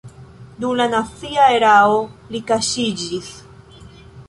Dum la nazia erao li kaŝiĝis.